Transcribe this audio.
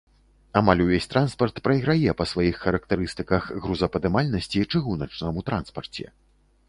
Амаль увесь транспарт прайграе па сваіх характарыстыках грузападымальнасці чыгуначнаму транспарце.